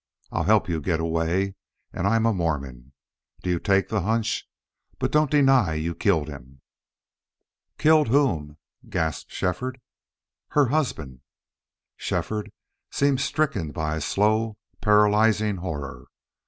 I'll help you get away. And I'm a Mormon! Do you take the hunch?... But don't deny you killed him!" "Killed whom?" gasped Shefford. "Her husband!" Shefford seemed stricken by a slow, paralyzing horror.